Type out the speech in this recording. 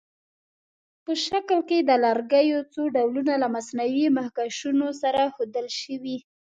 په شکل کې د لرګیو څو ډولونه له مصنوعي مخکشونو سره ښودل شوي.